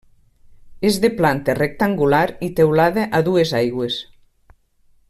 És de planta rectangular i teulada a dues aigües.